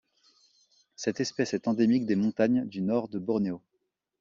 Cette espèce est endémique des montagnes du Nord de Bornéo.